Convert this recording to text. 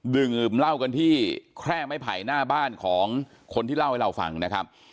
ดื่มเหล้ากันที่แคร่ไม้ไผ่หน้าบ้านของคนที่เล่าให้เราฟังนะครับ